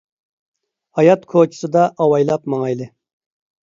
ھايات كوچىسىدا ئاۋايلاپ ماڭايلى !